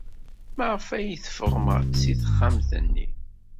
Maɣef ay teffɣem seg texxamt-nni?